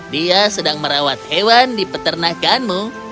dia sedang merawat hewan di peternakanmu